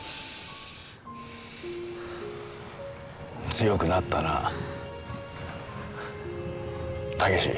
強くなったな毅。